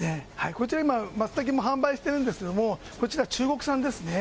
こちら今、マツタケも販売してるんですけども、こちら中国産ですね。